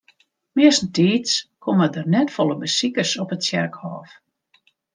Meastentiids komme der net folle besikers op it tsjerkhôf.